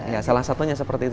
ya salah satunya seperti itu